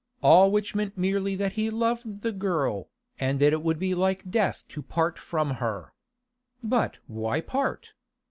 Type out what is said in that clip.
All which meant merely that he loved the girl, and that it would be like death to part from her. But why part?